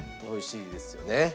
おいしいですよね。